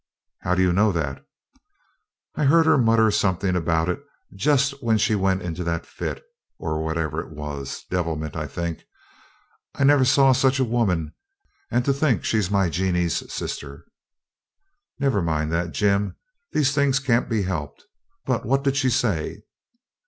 'How do you know that?' 'I heard her mutter something about it just when she went into that fit, or whatever it was. Devilment, I think. I never saw such a woman; and to think she's my Jeanie's sister!' 'Never mind that, Jim. These things can't be helped. But what did she say?'